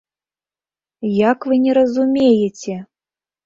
Як вы не разумееце?!